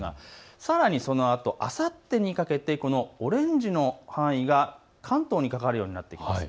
さらに、あさってにかけてオレンジの範囲が関東にかかるようになってきます。